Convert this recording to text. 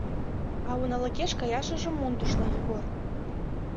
— А уналыкеш каяшыже мондышна, Егор!